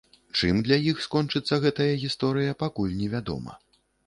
Чым для іх скончыцца гэтая гісторыя, пакуль невядома.